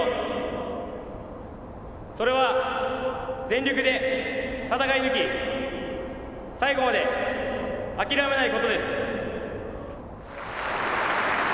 それは全力で戦い抜き最後まで諦めないことです。